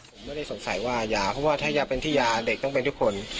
ผมไม่ได้สงสัยว่ายาเพราะว่าถ้ายาเป็นที่ยาเด็กต้องเป็นทุกคน